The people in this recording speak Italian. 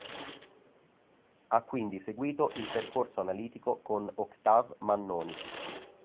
Ha quindi seguito il percorso analitico con Octave Mannoni.